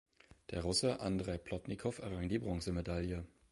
Der Russe Andrei Plotnikow errang die Bronzemedaille.